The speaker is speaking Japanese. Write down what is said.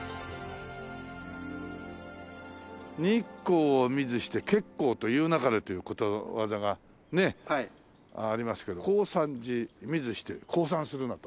「日光を見ずして結構と言うなかれ」ということわざがねありますけど「耕三寺見ずして降参するな」と。